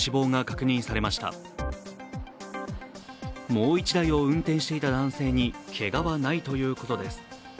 もう１台を運転していた男性にけがはないということです。